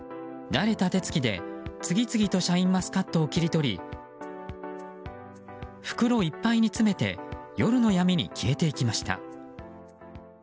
慣れた手つきで次々とシャインマスカットを切り取り、袋いっぱいに詰めて夜の闇に消えていきました。